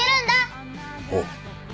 おう！